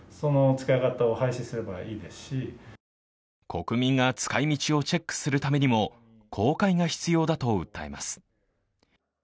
国民が使い道をチェックするためにも公開が必要だと訴えます。